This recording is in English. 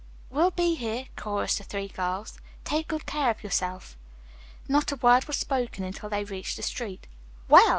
"We'll be here," chorused the three girls. "Take good care of yourself." Not a word was spoken until they reached the street. "Well!"